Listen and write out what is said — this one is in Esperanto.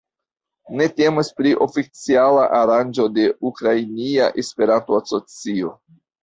Ne temas pri oficiala aranĝo de Ukrainia Esperanto-Asocio.